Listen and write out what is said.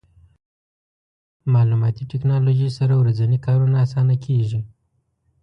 مالوماتي ټکنالوژي سره ورځني کارونه اسانه کېږي.